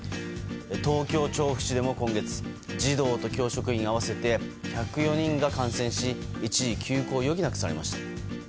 東京・調布市でも今月児童と教職員合わせて１０４人が感染し、一時休校を余儀なくされました。